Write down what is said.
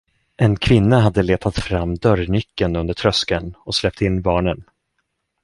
En kvinna hade letat fram dörrnyckeln under tröskeln och släppt in barnen.